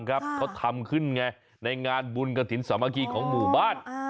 เขาทำขึ้นไงในงานบุญกระถิ่นสามัคคีของหมู่บ้าน